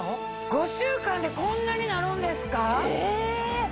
５週間でこんなになるんですか！